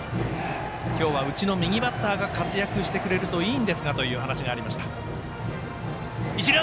今日は、うちの右バッターが活躍してくれるといいんですがというお話がありました。